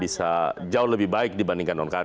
bisa jauh lebih baik dibandingkan non kt